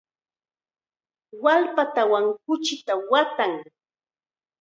Wallpatawan kuchita waatan.